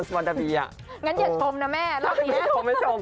งั้นอย่าชมนะแม่รอเนี้ยไม่ชม